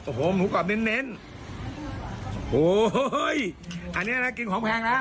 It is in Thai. โอ้โหหมูกรอบเน้นเน้นโอ้โหอันนี้นะกินของแพงแล้ว